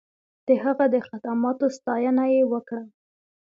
د هغه د خدماتو ستاینه یې وکړه.